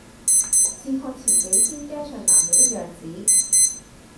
試看前幾天街上男女的樣子，